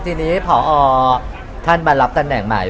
อ๋อไม่ทีนี้ผอศมารับตำแหน่งใหม่